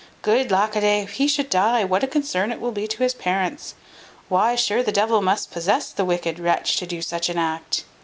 Good lack a day, if he should die, what a concern it will be to his parents! why, sure the devil must possess the wicked wretch to do such an act.